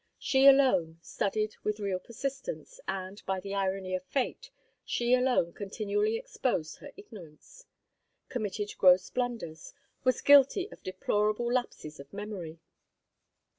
She alone studied with real persistence, and, by the irony of fate, she alone continually exposed her ignorance, committed gross blunders, was guilty of deplorable lapses of memory.